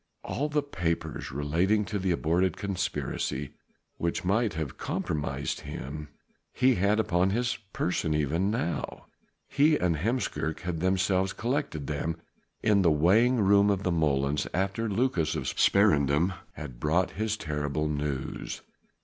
All the papers relating to the aborted conspiracy which might have compromised him he had upon his person even now. He and Heemskerk had themselves collected them in the weighing room of the molens after Lucas of Sparendam had brought his terrible news.